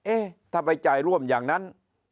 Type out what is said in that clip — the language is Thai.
เอ๊ะถ้าไปจ่ายร่วมอย่างนั้น